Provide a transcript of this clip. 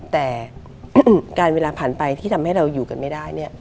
แต่การเวลาผ่านไปที่ทำให้เราอยู่กันไม่ได้เนี่ย